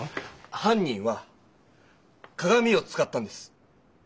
犯人はかがみを使ったんです。